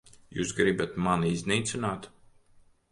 Jūs gribat mani iznīcināt.